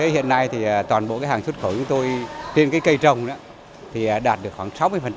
hiện nay toàn bộ hàng xuất khẩu trên cây trồng đạt được khoảng sáu mươi